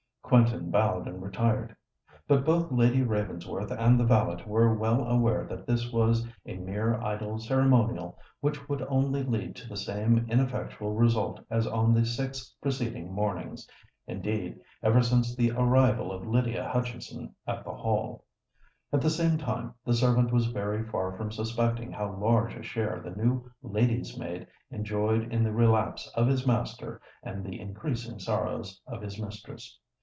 Quentin bowed and retired. But both Lady Ravensworth and the valet were well aware that this was a mere idle ceremonial which would only lead to the same ineffectual result as on the six preceding mornings—indeed, ever since the arrival of Lydia Hutchinson at the Hall. At the same time, the servant was very far from suspecting how large a share the new lady's maid enjoyed in the relapse of his master and the increasing sorrows of his mistress.